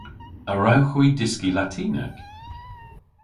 A wrewgh hwi dyski Latinek?